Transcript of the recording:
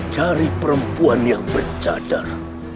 cari perempuan yang bercadar